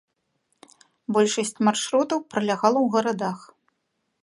Большасць маршрутаў пралягала ў гарадах.